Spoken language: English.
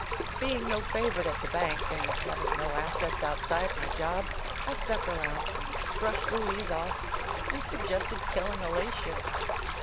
Being no favorite at the bank and having no assets outside my job. I stuck around, brushed Louise off. and suggested killing Alatia.